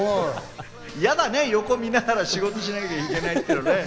やだね、横見ながら仕事しなきゃいけないってね。